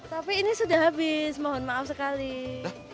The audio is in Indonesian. tapi ini sudah habis mohon maaf sekali